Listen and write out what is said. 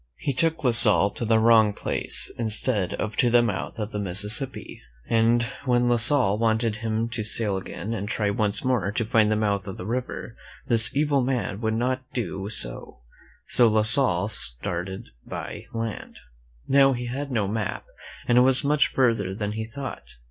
He took La Salle to the wrong place instead of to the mouth of the Mississippi, and when La Salle wanted him to sail again and try once more to find the mouth of the river, this evil man would not do so; so La Salle started by land. Now he had no map, and it was much further than he thought.